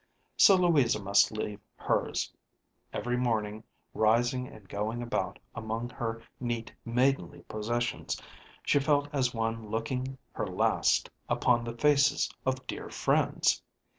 So Louisa must leave hers. Every morning rising and going about among her neat maidenly possessions, she felt as one looking her last upon the faces of dear friends.